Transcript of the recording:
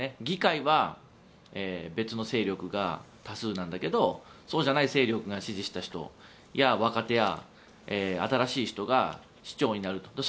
議会は別の勢力が多数なんだけどそうじゃない勢力が支持した人や、若手や新しい人が市長になると。